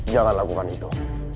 jangan lakukan itu